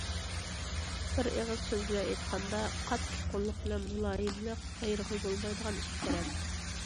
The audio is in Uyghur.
بىر ئېغىز سۆز بىلەن ئېيتقاندا قاتتىق قوللۇق بىلەن مۇلايىملىق ئايرىغىلى بولمايدىغان ئىككى تەرەپ.